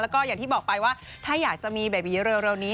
แล้วก็อย่างที่บอกไปว่าถ้าอยากจะมีเบบีเร็วนี้